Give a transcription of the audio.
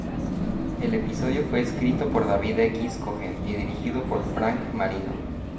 El episodio fue escrito por David X. Cohen y dirigido por Frank Marino.